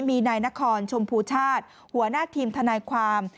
มีนายนขอนชมภูชาชหัวหน้าทีมธนัยความ